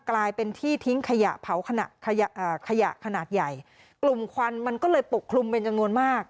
กลายเป็นที่ทิ้งขยะเผาขยะขยะขนาดใหญ่กลุ่มควันมันก็เลยปกคลุมเป็นจำนวนมาก